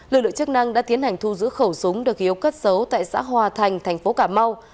lực lượng chức năng đã tiến hành thu giữ khẩu súng được hiếu cất xấu tại xã hòa thành thành phố cà mau